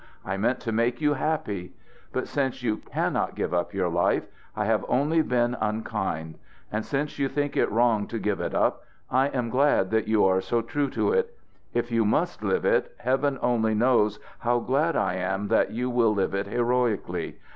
I meant to make you happy! But since you cannot give up your life, I have only been unkind. And since you think it wrong to give it up, I am glad that you are so true to it! If you must live it, Heaven only knows how glad I am that you will live it heroically.